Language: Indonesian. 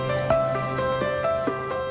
untuk menangani bagian administrasi keuangan